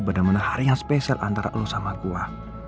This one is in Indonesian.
benar benar hari yang spesial antara lo sama gua